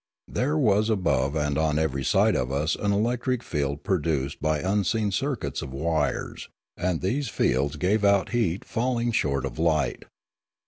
There was above and on every side of us an electric field produced by unseen circuits of wires; and these fields gave out heat falling short of light.